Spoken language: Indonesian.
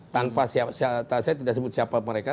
tanpa saya tidak sebut siapa mereka